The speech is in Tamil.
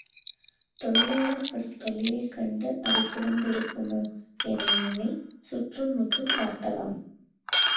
தொழிலாளர் படும் தொல்லையைக் கண்டு அது சிவந்திருக்குமோ என எண்ணிச் சுற்று முற்றும் பார்த்தளாம்.